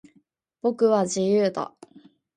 僕は、自由だ。